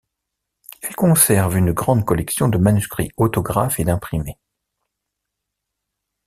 Elle conserve une grande collection de manuscrits autographes et d'imprimés.